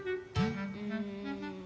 うん。